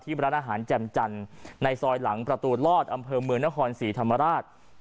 ร้านอาหารแจ่มจันทร์ในซอยหลังประตูลอดอำเภอเมืองนครศรีธรรมราช